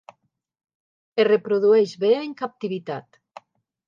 Es reprodueix bé en captivitat.